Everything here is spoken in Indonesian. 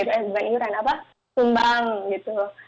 eh bukan iuran apa sumbang gitu